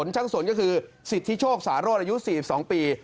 ช่างสนจะคือสิทธิโชคสารอี๋ยุ๔๒ปี